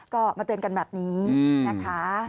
ก็มาเตือนกันแบบนี้นะคะ